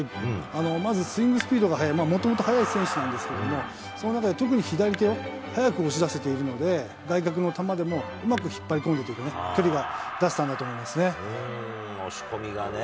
まずスイングスピードが速い、もともと速い選手なんですけども、その中で特に左手を速く押し出せているので、外角の球でもうまく引っ張り込めて、押し込みがね。